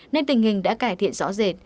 nên tình hình đã cải thiện rõ rệt